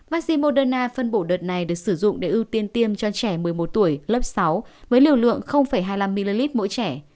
vaccine moderna phân bộ đợt này được sử dụng để ưu tiên tiêm cho trẻ một mươi một tuổi lớp sáu với liều lượng hai mươi năm ml mỗi trẻ